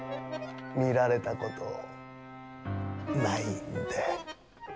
見られたことないんで。